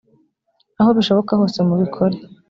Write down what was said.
aho bishoboka hose mubikore.